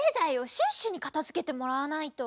シュッシュにかたづけてもらわないと！